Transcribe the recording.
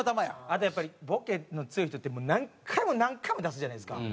あとやっぱりボケの強い人ってもう何回も何回も出すじゃないですか。